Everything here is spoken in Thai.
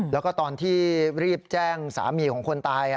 แล้วก็ตอนที่รีบแจ้งสามีของคนตาย